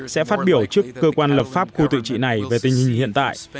sẽ phát biểu trước cơ quan lập pháp khu tự trị này về tình hình hiện tại